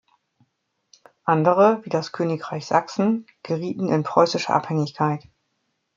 Andere, wie das Königreich Sachsen, gerieten in preußische Abhängigkeit.